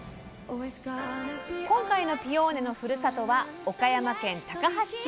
今回のピオーネのふるさとは岡山県高梁市。